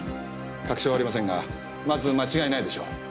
確証はありませんがまず間違いないでしょう。